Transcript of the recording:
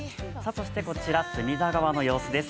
こちら、隅田川の様子です